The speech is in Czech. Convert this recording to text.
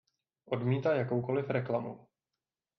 Odmítá jakoukoliv reklamu.